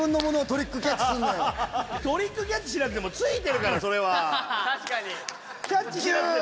トリックキャッチしなくてもついてるからそれは。